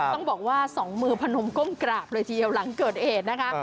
ต้องบอกว่าสองมือพนมก้มกราบเลยทีเดียวหลังเกิดเหตุนะคะ